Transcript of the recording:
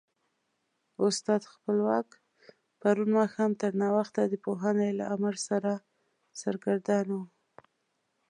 استاد خپلواک پرون ماښام تر ناوخته د پوهنې له امر سره سرګردانه و.